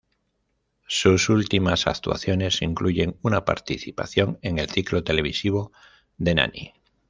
Sus últimas actuaciones incluyen una participación en el ciclo televisivo "The Nanny".